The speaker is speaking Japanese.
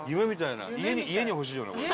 家に欲しいよなこれ。